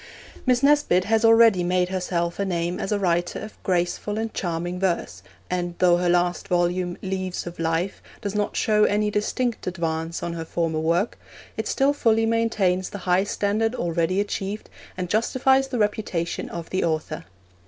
Miss Nesbit has already made herself a name as a writer of graceful and charming verse, and though her last volume, Leaves of Life, does not show any distinct advance on her former work, it still fully maintains the high standard already achieved, and justifies the reputation of the author.